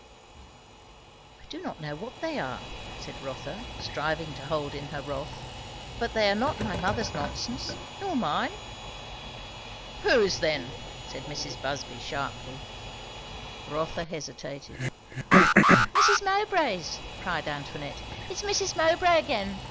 "I do not know what they are," said Rotha, striving to hold in her wrath, "but they are not my mother's nonsense, nor mine." "Whose then?" said Mrs. Busby sharply. Rotha hesitated. "Mrs. Mowbray's!" cried Antoinette. "It is Mrs. Mowbray again!